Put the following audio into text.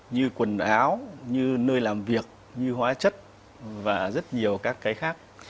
như quần áo như nơi làm việc như hóa chất và rất nhiều các cái khác